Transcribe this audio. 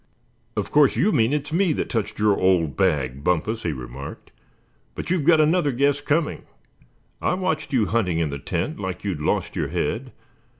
"Of course you mean it's me that touched your old bag, Bumpus," he remarked; "but you've got another guess coming. I watched you hunting in the tent like you'd lost your head.